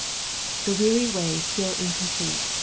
The weary way still incomplete.